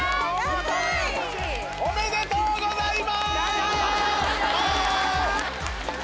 ありがとうございます。